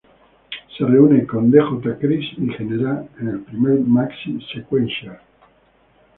Se reúne con Dj Criss y generan el primer maxi, "Sequential".